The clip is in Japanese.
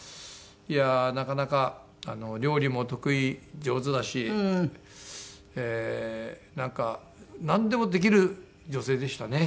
いやあなかなか料理も得意上手だしなんかなんでもできる女性でしたね。